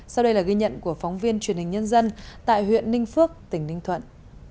sau đây là ghi nhận của phóng viên truyền hình nhân dân tại huyện ninh phước tỉnh ninh thuận